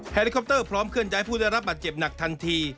ลิคอปเตอร์พร้อมเคลื่อนย้ายผู้ได้รับบัตรเจ็บหนักทันที